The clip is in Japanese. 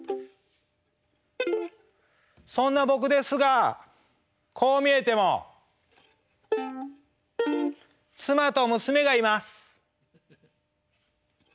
そんな僕ですがこう見えても妻と娘がいます。